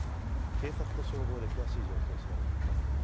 警察と消防で詳しい状況を調べています。